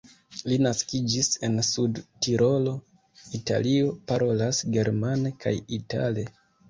Li naskiĝis en Sud-Tirolo, Italio, parolas germane kaj itale.